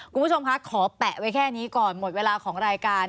คุณผู้ชมคะขอแปะไว้แค่นี้ก่อนหมดเวลาของรายการ